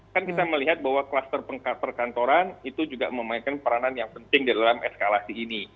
kan kita melihat bahwa kluster perkantoran itu juga memainkan peranan yang penting di dalam eskalasi ini